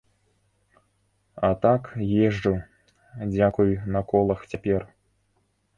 А так, езджу, дзякуй на колах цяпер.